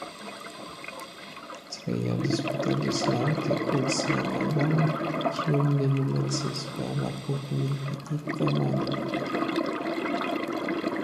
Tria disputadis laŭte kun sia najbaro, kiun li minacis per la pugnigita mano.